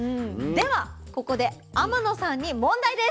ではここで天野さんに問題です。